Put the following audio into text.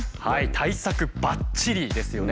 対策ばっちりですよね。